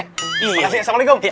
makasih ya assalamualaikum